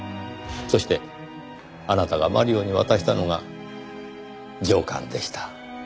そしてあなたがマリオに渡したのが上巻でした。